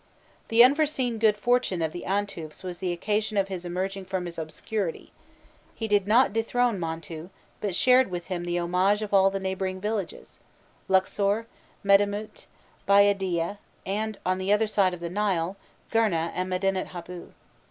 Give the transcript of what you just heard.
The unforeseen good fortune of the Antufs was the occasion of his emerging from his obscurity: he did not dethrone Montû, but shared with him the homage of all the neighbouring villages Luxor, Medamut, Bayadîyeh; and, on the other side of the Nile, Gurneh and Medînet Habu.